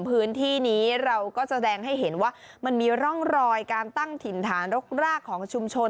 พื้นที่นี้เราก็แสดงให้เห็นว่ามันมีร่องรอยการตั้งถิ่นฐานรกรากของชุมชน